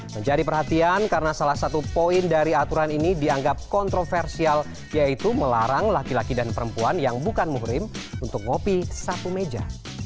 menjadi perhatian karena salah satu poin dari aturan ini dianggap kontroversial yaitu melarang laki laki dan perempuan yang bukan muhrim untuk ngopi satu meja